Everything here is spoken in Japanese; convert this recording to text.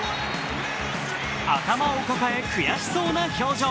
頭を抱え悔しそうな表情。